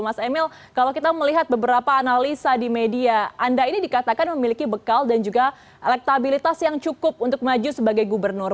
mas emil kalau kita melihat beberapa analisa di media anda ini dikatakan memiliki bekal dan juga elektabilitas yang cukup untuk maju sebagai gubernur